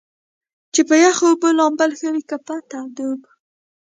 چې پۀ يخو اوبو لامبل ښۀ وي کۀ پۀ تودو اوبو ؟